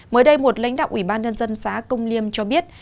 mới đây một lãnh đạo ủy ban nhân dân xã công liêm cho biết